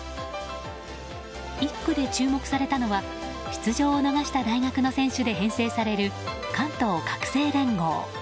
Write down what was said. １区で注目されたのは出場を逃した大学の選手で編成される関東学生連合。